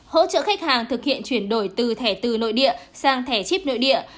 hỗ trợ khách hàng thực hiện chuyển đổi từ thẻ từ nội địa sang thẻ chip nội địa